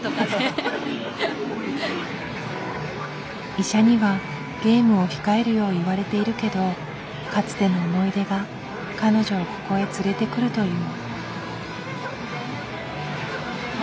医者にはゲームを控えるよう言われているけどかつての思い出が彼女をここへ連れてくるという。